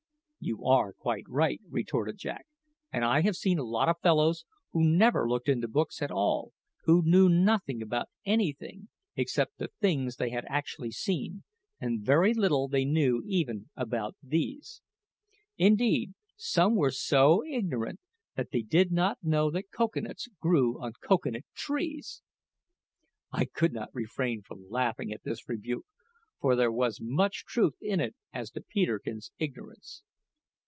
"You are quite right," retorted Jack; "and I have seen a lot of fellows, who never looked into books at all, who knew nothing about anything except the things they had actually seen, and very little they knew even about these. Indeed, some were so ignorant that they did not know that cocoa nuts grew on cocoa nut trees!" I could not refrain from laughing at this rebuke, for there was much truth in it as to Peterkin's ignorance.